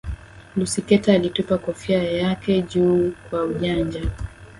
lucy carter alitupa kofia yake juu kwa ujanja